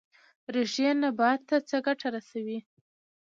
ریښې نبات ته څه ګټه رسوي؟